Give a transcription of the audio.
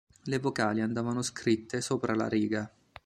Le vocali andavano scritte sopra la riga.